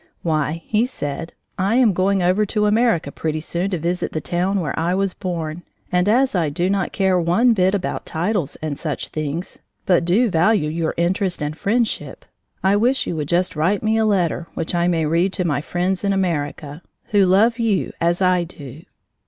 Why, he said: "I am going over to America pretty soon to visit the town where I was born, and as I do not care one bit about titles and such things, but do value your interest and friendship, I wish you would just write me a letter which I may read to my friends in America, who love you as I do!"